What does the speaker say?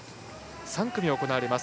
３組行われます。